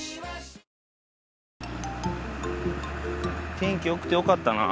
天気良くてよかったな。